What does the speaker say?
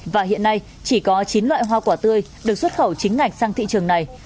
và hiện nay chỉ có chín loại hoa quả tươi được xuất khẩu chính ngạch sang thị trường này